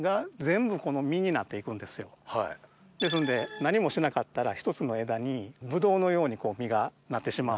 ですんで何もしなかったら１つの枝にブドウのように実がなってしまう。